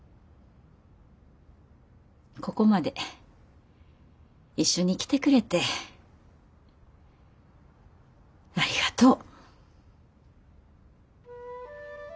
ここまで一緒に来てくれてありがとう。